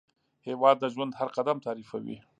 هېواد د ژوند هر قدم تعریفوي.